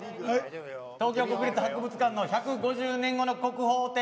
東京国立博物館の「１５０年後の国宝展」。